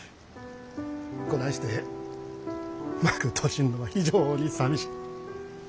こないして幕閉じんのは非常にさみしい。